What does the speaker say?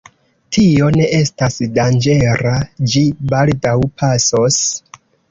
Tio ne estas danĝera, ĝi baldaŭ pasos.